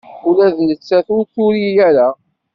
Ula d nettat ur turi ara.